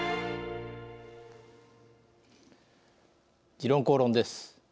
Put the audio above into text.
「時論公論」です。